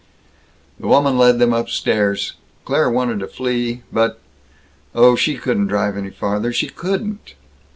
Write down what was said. The woman led them upstairs. Claire wanted to flee, but Oh, she couldn't drive any farther! She couldn't!